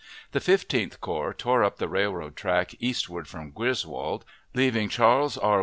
The Fifteenth Corps tore up the railroad track eastward from Griswold, leaving Charles R.